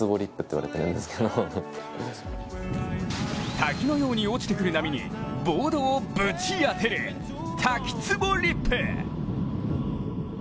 滝のように落ちてくる波にボードをぶち当てる滝つぼリップ。